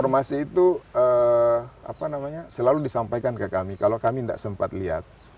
pesan pesan konservasi itu selalu disampaikan ke kami kalau kami tidak sempat lihat